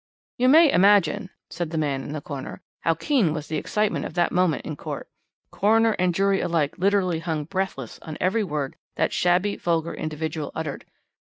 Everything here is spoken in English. "You may imagine," said the man in the corner, "how keen was the excitement of that moment in court. Coroner and jury alike literally hung breathless on every word that shabby, vulgar individual uttered.